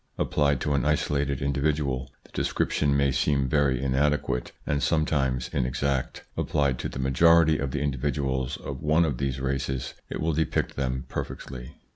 Applied to an isolated individual, the description may seem very inadequate and sometimes inexact ; applied to the majority of the individuals of one of these races it will depict them perfectly.